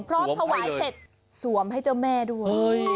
พร้อมถวายเสร็จสวมให้เจ้าแม่ด้วย